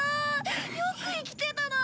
よく生きてたなあ。